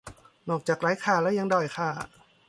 นอกจากไร้ค่าแล้วยังด้อยค่า